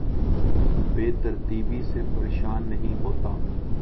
بے ترتیبی سے پریشان نہیں ہوتا